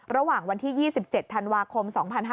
ระหว่างวันที่๒๗ธันวาคม๒๕๕๙